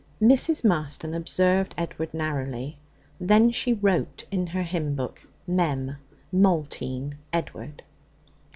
Mrs. Marston observed Edward narrowly. Then she wrote in her hymn book: 'Mem: Maltine; Edward.'